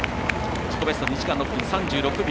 自己ベスト２時間６分３０秒。